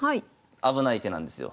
危ない手なんですよ。